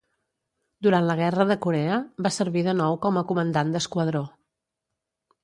Durant la Guerra de Corea va servir de nou com a comandant d'esquadró.